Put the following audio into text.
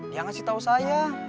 dia ngasih tau saya